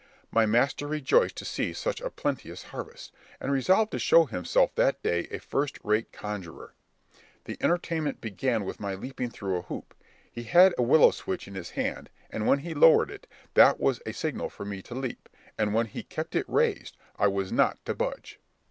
My master rejoiced to see such a plenteous harvest, and resolved to show himself that day a first rate conjuror. The entertainment began with my leaping through a hoop. He had a willow switch in his hand, and when he lowered it, that was a signal for me to leap; and when he kept it raised, I was not to budge.